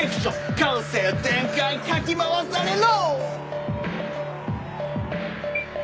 「感性全開かき回されろ！」